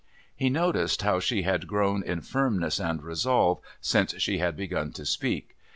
He noticed how she had grown in firmness and resolve since she had begun to speak.